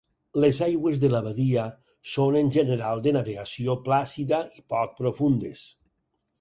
Les aigües de la badia són en general de navegació plàcida i poc profundes.